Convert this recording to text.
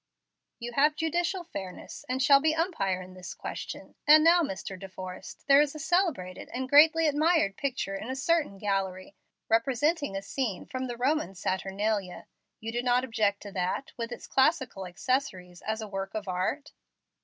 "You have judicial fairness and shall be umpire in this question. And now, Mr. De Forrest, there is a celebrated and greatly admired picture in a certain gallery, representing a scene from the Roman Saturnalia. You do not object to that, with its classic accessories, as a work of art?"